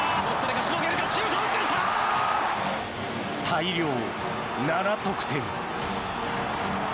大量７得点。